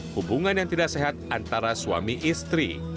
hubungan yang tidak sehat antara suami istri